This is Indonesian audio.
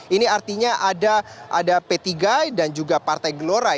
ini artinya ada p tiga dan juga partai gelora